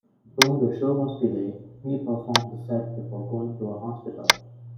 Though the show was delayed, he performed the set before going to a hospital.